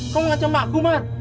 kamu ngacau makgu man